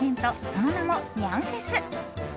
その名も、ニャンフェス。